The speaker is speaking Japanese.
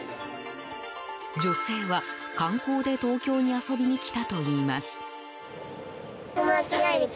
女性は、観光で東京に遊びに来たといいます。